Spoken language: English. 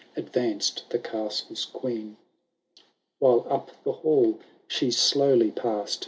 Advanced the castle*s Queen ! While up the hall she slowly passed.